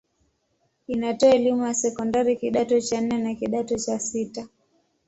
Inatoa elimu ya sekondari kidato cha nne na kidato cha sita.